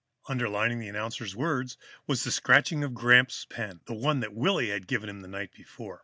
Underlining the announcer's words was the scratching of Gramps' pen, the one Willy had given him the night before.